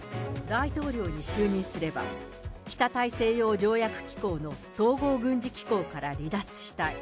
大統領に就任すれば、北大西洋条約機構の統合軍事機構から離脱したい。